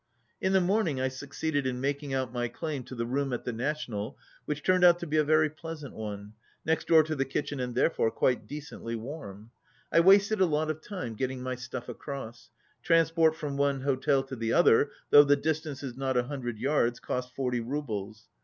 37 In the morning I succeeded in making out my claim to the room at the National, which turned out to be a very pleasant one, next door to the kitchen and therefore quite decently warm. I wasted a lot of time getting my stuff across. Transport from one hotel to the other, though the distance is not a hundred yards, cost forty roubles.